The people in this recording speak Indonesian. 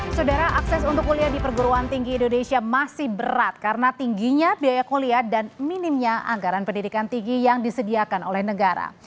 saudara akses untuk kuliah di perguruan tinggi indonesia masih berat karena tingginya biaya kuliah dan minimnya anggaran pendidikan tinggi yang disediakan oleh negara